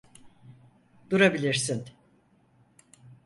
Durabilirsin.